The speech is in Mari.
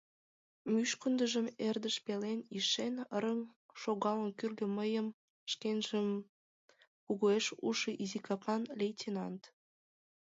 — Мушкындыжым эрдыж пелен ишен, рыҥ шогалын кӱрльӧ мыйым шкенжым кугуэш ужшо изи капан лейтенант.